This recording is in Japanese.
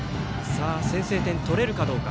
先制点、取れるかどうか。